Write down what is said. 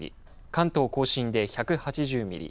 関東甲信で１８０ミリ